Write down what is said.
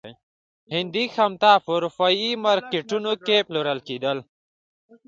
هندي خامتا په اروپايي مارکېټونو کې پلورل کېدل.